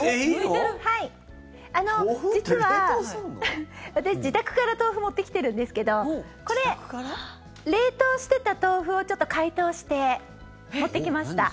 実は私、自宅から豆腐持ってきてるんですけどこれ、冷凍してた豆腐を解凍して持ってきました。